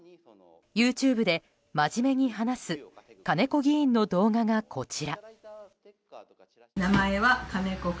ＹｏｕＴｕｂｅで、まじめに話す金子議員の動画がこちら。